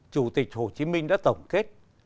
chủ tịch hồ chí minh đã tổng kết